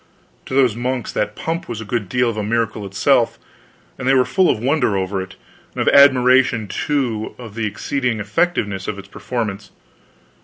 To those monks that pump was a good deal of a miracle itself, and they were full of wonder over it; and of admiration, too, of the exceeding effectiveness of its performance.